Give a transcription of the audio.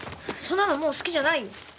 そんなのもう好きじゃないよ。